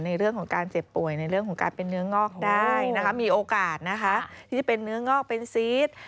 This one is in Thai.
ในเรื่องของการเป็นเนื้องอกได้มีโอกาสที่จะเป็นเนื้องอกเป็นซีส